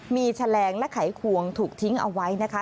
มีแฉลงและไขควงถูกทิ้งเอาไว้นะคะ